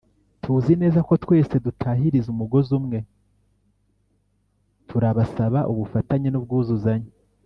tuzi neza ko twese dutahiriza umugozi umwe, turabasaba ubufatanye n’ubwuzuzanye